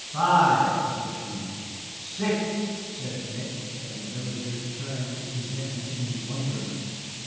"Five!" said he. "Six!" said Nick, and the villagers turned to him in wonderment.